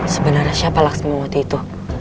sebenarnya siapa laksmiwati itu